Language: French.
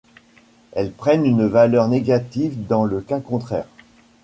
Elles prennent une valeur négative dans le cas contraire.